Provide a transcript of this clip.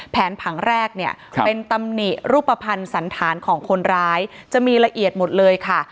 ผังแรกเนี่ยเป็นตำหนิรูปภัณฑ์สันธารของคนร้ายจะมีละเอียดหมดเลยค่ะ